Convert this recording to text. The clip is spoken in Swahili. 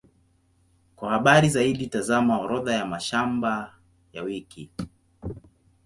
Kwa habari zaidi, tazama Orodha ya mashamba ya wiki.